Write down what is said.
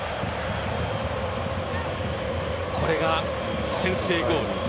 これが先制ゴール。